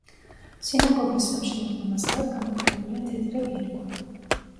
სინაგოგის სამშენებლო მასალად გამოყენებულია თეთრი კირქვა.